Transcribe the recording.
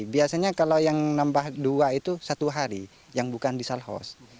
biasanya kalau yang nambah dua itu satu hari yang bukan di sal house